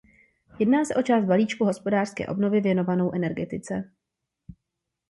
Jedná se o část balíčku hospodářské obnovy věnovanou energetice.